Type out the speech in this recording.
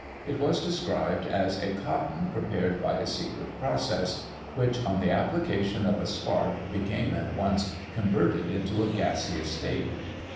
It was described as a cotton prepared by a secret process; which, on the application of a spark, became at once converted into a gaseous state.